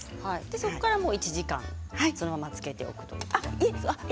そこから１時間そのままつけておくんですか？